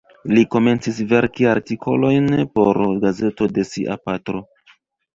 Li komencis verki artikolojn por gazeto de sia patro.